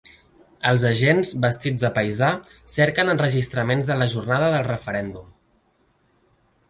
Els agents, vestits de paisà, cerquen enregistraments de la jornada del referèndum.